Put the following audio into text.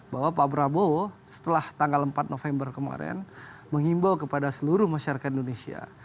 bahwa pak prabowo setelah tanggal empat november kemarin mengimbau kepada seluruh masyarakat indonesia